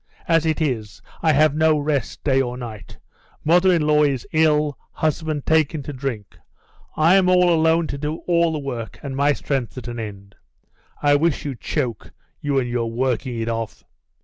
"As it is, I have no rest day or night. Mother in law is ill, husband taken to drink; I'm all alone to do all the work, and my strength's at an end. I wish you'd choke, you and your working it off."